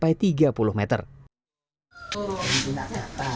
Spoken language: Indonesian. pemilik tambang ini dikumpulkan dengan kondisi yang sangat berat